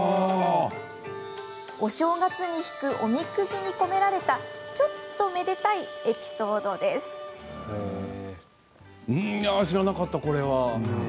お正月に引くおみくじに込められたちょっとめでたいエピソードです。